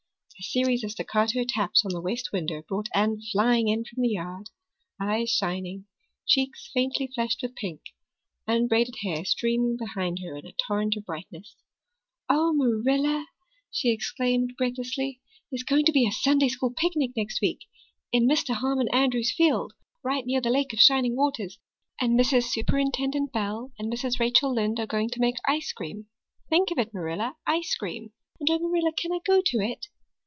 A series of staccato taps on the west window brought Anne flying in from the yard, eyes shining, cheeks faintly flushed with pink, unbraided hair streaming behind her in a torrent of brightness. "Oh, Marilla," she exclaimed breathlessly, "there's going to be a Sunday school picnic next week in Mr. Harmon Andrews's field, right near the lake of Shining Waters. And Mrs. Superintendent Bell and Mrs. Rachel Lynde are going to make ice cream think of it, Marilla ice cream! And, oh, Marilla, can I go to it?"